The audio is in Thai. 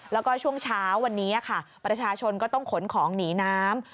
แล้วก็ช่วงเช้าวันนี้ค่ะประชาชนก็ต้องขนของหนีน้ำ